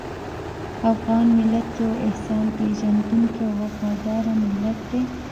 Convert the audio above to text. افغان ملت یو احسان پېژندونکی او وفاداره ملت دی.